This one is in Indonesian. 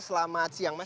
selamat siang mas